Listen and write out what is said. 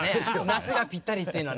夏がぴったりっていうのは。